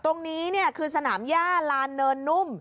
ตรงนี้เนี่ยคือสนามย่าลานเนินนุ่ม